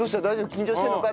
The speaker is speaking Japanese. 緊張してるのか？」